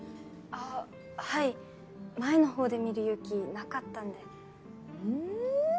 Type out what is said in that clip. あっはい前のほうで見る勇気なかったんでうん？